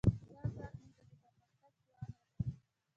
دا ځواک موږ ته د پرمختګ توان راکوي.